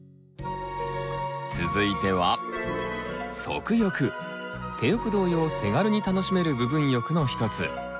続いては手浴同様手軽に楽しめる部分浴の一つ。